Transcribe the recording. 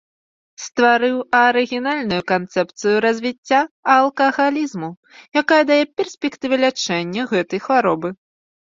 Стварыў арыгінальную канцэпцыю развіцця алкагалізму, якая дае перспектывы лячэння гэтай хваробы.